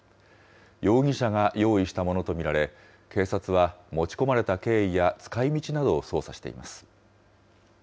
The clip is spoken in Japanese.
容疑者が用意したものと見られ、警察は持ち込まれた経緯や使いみちなどを捜査しています。